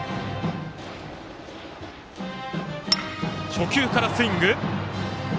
初球からスイング。